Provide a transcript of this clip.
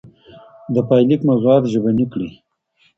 د پايليک موضوعات ژبني کړئ.